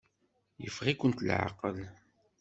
Yeffeɣ-ikent leɛqel.